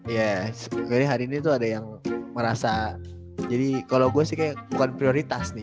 ya sebenarnya hari ini tuh ada yang merasa jadi kalau gue sih kayak bukan prioritas nih